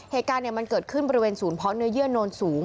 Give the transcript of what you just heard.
เหตุการณ์มันเกิดขึ้นบริเวณศูนย์เพาะเนื้อเยื่อโนนสูง